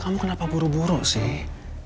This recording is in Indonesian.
kamu kenapa buru buru sih